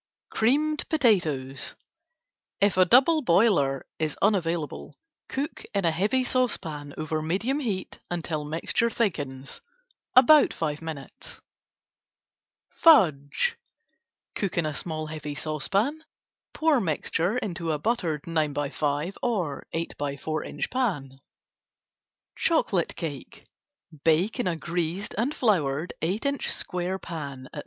Creamed Potatoes: If a double boiler is unavailable, cook in a heavy saucepan over medium heat until mixture thickens, about 5 minutes. Fudge: Cook in a small heavy saucepan; pour mixture into a buttered 9x5 or 8x4 inch pan. Chocolate Cake: Bake in a greased and floured 8 inch square pan at 350°F.